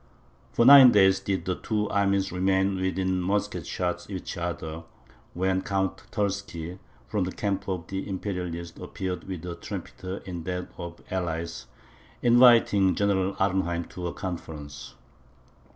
For nine days, did the two armies remain within musket shot of each other, when Count Terzky, from the camp of the Imperialists, appeared with a trumpeter in that of the allies, inviting General Arnheim to a conference.